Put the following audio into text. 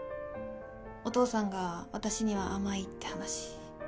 お父さんが私には甘いって話。